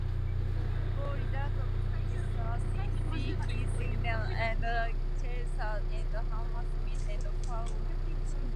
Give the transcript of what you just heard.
For results of predecessor seats, see Kensington and Chelsea, and Hammersmith and Fulham.